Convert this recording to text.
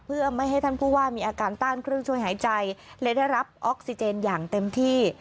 เพื่อไม่ให้ท่านผู้ว่ามีอาการต้านเครื่องช่วยหายใจและได้รับออกซิเจนอย่างเต็มที่